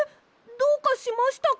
どうかしましたか？